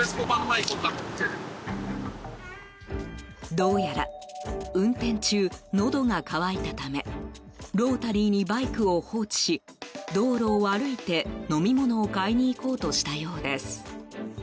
どうやら、運転中のどが渇いたためロータリーにバイクを放置し道路を歩いて、飲み物を買いに行こうとしたようです。